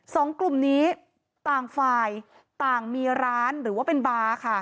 สองกลุ่มนี้ต่างฝ่ายต่างมีร้านหรือว่าเป็นบาร์ค่ะ